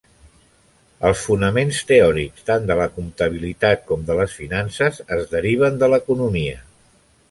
Els fonaments teòrics tant de la comptabilitat com de les finances es deriven de l'economia.